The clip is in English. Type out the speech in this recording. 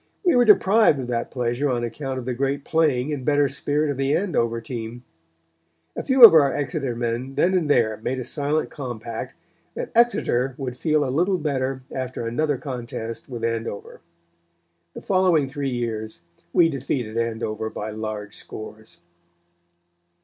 We were deprived of that pleasure on account of the great playing and better spirit of the Andover team. A few of our Exeter men then and there made a silent compact that Exeter would feel a little better after another contest with Andover. The following three years we defeated Andover by large scores.